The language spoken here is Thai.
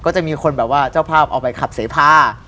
ก็จะมีคนแบบว่าเจ้าภาพเอาไปขับเสพา